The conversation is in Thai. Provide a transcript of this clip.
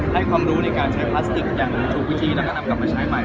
ให้ความรู้ในการใช้พลาสติกอย่างถูกวิธีแล้วก็นำกลับมาใช้ใหม่